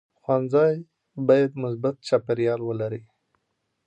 ښوونځی باید مثبت چاپېریال ولري.